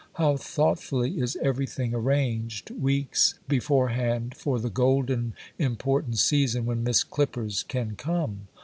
How thoughtfully is everything arranged, weeks beforehand, for the golden, important season when Miss Clippers can come!